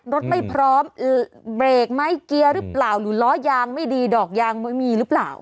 รถไม่พร้อมเบรกไหมเกียร์หรือเปล่าหรือล้อยางไม่ดีดอกยางไม่มีหรือเปล่า